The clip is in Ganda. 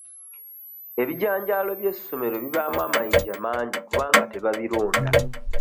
Ebijanjaalo by'essomero bibaamu amayinja mangi kubanga tebabironda.